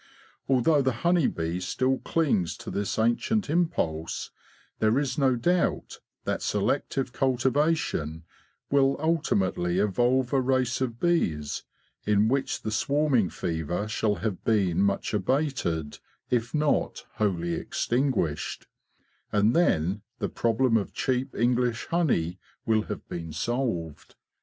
Although the honey bee still clings to this ancient impulse, there is no doubt that selective cultivation will ultimately evolve a race of bees in which the swarming fever shall have been much abated, if not wholly extinguished; and then the problem of cheap English honey will have been solved.